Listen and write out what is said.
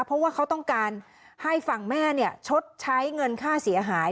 เพราะว่าเขาต้องการให้ฝั่งแม่ชดใช้เงินค่าเสียหาย